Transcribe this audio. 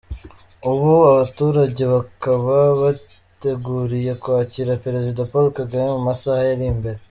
Ubu abaturage bakaba biteguriye kwakira Perezida Paul Kagame mu masaha ari imbere.